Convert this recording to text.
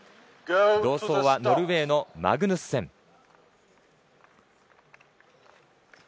同走はノルウェーのマグヌッセン。